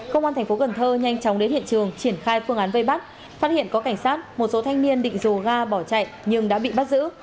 công an tp cần thơ nhanh chóng đến hiện trường triển khai phương án vây bắt phát hiện có cảnh sát một số thanh niên định dồ ga bỏ chạy nhưng đã bị bắt giữ